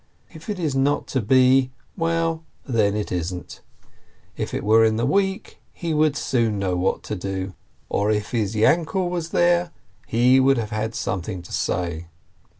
If it is not to be, well, then it isn't ! If it were in the week, he would soon know what to do ! Or if his Yainkel were there, he would have had something to say.